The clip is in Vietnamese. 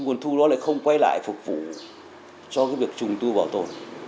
nguồn thu đó lại không quay lại phục vụ cho cái việc trùng tu bảo tồn